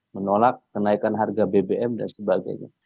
menolak kenaikan harga bbm dan sebagainya